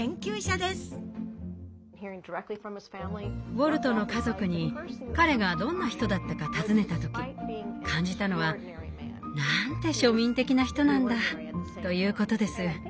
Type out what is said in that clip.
ウォルトの家族に彼がどんな人だったか尋ねた時感じたのは「なんて庶民的な人なんだ」ということです。